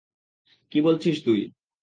কি বলছিস তুই?